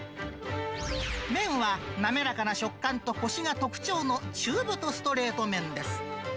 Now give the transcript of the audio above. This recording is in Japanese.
麺は滑らかな食感とこしが特徴の中太ストレート麺です。